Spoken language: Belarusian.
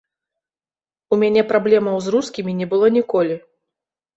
У мяне праблемаў з рускімі не было ніколі.